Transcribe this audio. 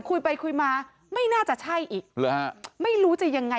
คุยไปคุยมาไม่น่าจะใช่อีกหรือฮะไม่รู้จะยังไง